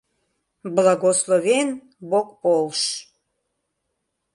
Благословен бог полш...